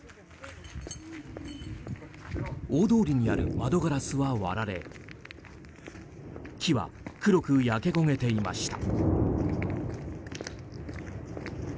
大通りにある窓ガラスは割られ木は黒く焼け焦げていました。